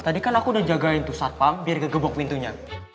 tadi kan aku udah jagain tuh saat pam biar gak gebok pintunya